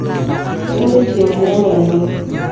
Tinde chieng rieny ahinya